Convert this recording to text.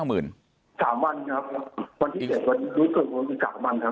๓วันครับวันที่๗วันนี้รู้สึกว่าจะจับมันครับ